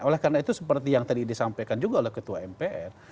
oleh karena itu seperti yang tadi disampaikan juga oleh ketua mpr